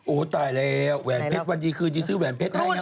โอ้โหตายแล้วแหวนเพชรวันดีคืนนี้ซื้อแหวนเพชรให้นะ